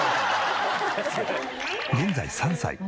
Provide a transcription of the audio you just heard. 現在３歳。